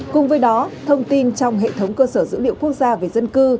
cùng với đó thông tin trong hệ thống cơ sở dữ liệu quốc gia về dân cư